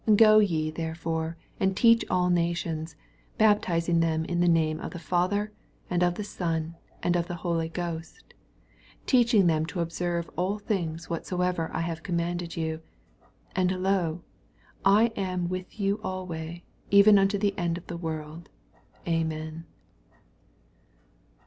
19 Go ye therefore, and teach all nations, baptizing them in the name of the Father, and of the Son, and of the Holy Ghost: 20 Teaching them to observe all things whatsoever I have commanded you : and, lo, I am with you alway, even unto the end of the world. Amen.